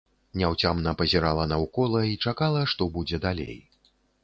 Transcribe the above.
Няўцямна пазірала наўкола і чакала, што будзе далей.